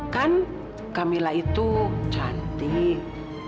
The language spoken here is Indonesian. kan kamila itu cantik